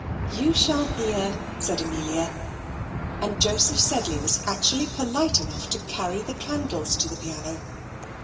"You shall hear," said Amelia; and Joseph Sedley was actually polite enough to carry the candles to the piano.